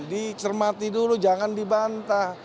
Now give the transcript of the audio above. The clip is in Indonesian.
dicermati dulu jangan dibantah